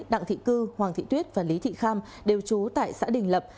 đặng thị cư hoàng thị tuyết và lý thị kham đều trú tại xã đình lập